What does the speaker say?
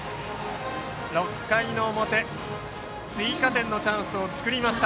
６回の表、追加点のチャンスを作りました。